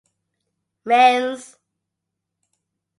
Mens.